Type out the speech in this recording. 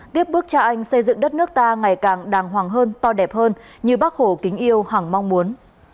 tiếp bước cha anh xây dựng đất nước ta ngày càng đàng hoàng hơn to đẹp hơn như bác hồ kính yêu hẳng mong muốn